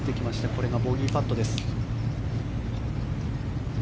これがボギーパットです。